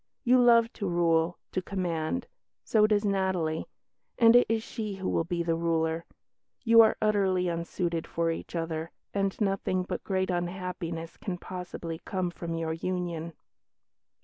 You love to rule, to command. So does Natalie; and it is she who will be the ruler. You are utterly unsuited for each other, and nothing but great unhappiness can possibly come from your union."